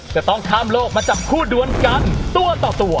จะต้องข้ามโลกมาจับคู่ดวนกันตัวต่อตัว